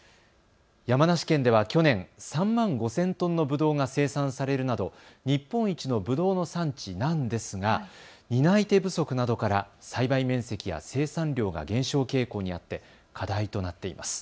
山梨県では去年、３万５０００トンのぶどうが生産されるなど日本一のぶどうの産地なんですが担い手不足などから栽培面積や生産量が減少傾向にあって課題となっています。